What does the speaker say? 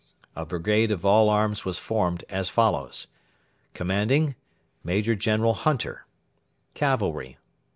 A brigade of all arms was formed as follows: Commanding: MAJOR GENERAL HUNTER Cavalry.......